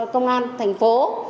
công an thành phố